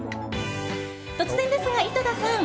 突然ですが、井戸田さん